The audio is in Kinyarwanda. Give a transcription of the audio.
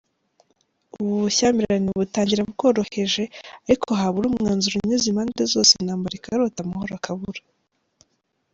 Ubu bushyamirane butangira bworoheje, ariko habura umwanzuro unyuze impande zose, intambara ikarota, amahoro akabura.